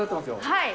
はい。